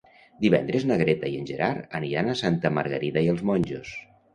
Divendres na Greta i en Gerard aniran a Santa Margarida i els Monjos.